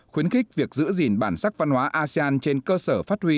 khuyến khích việc giữ gìn bản sắc văn hóa asean trên cơ sở phát huy